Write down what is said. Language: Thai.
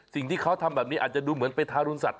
สิ่งที่เขาทำแบบนี้อาจจะดูเหมือนไปทารุณสัตว